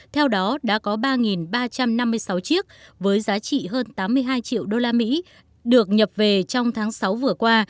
theo đó đã có ba ba trăm năm mươi sáu chiếc với giá trị hơn tám mươi hai triệu usd được nhập về trong tháng sáu vừa qua